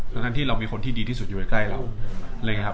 ทั้งที่เรามีคนที่ดีที่สุดอยู่ใกล้เรา